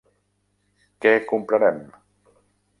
Què comprarem?